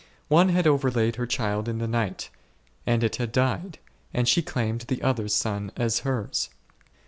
One had overlaid her child in the night, and it had died, and she claimed the other's son as hers.